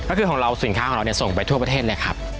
ก็คือของเราสินค้าของเราส่งไปทั่วประเทศเลยครับ